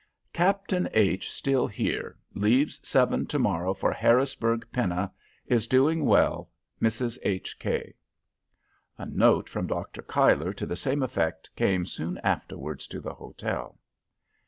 "Captain H. still here leaves seven to morrow for Harrisburg Penna Is doing well Mrs HK ." A note from Dr. Cuyler to the same effect came soon afterwards to the hotel.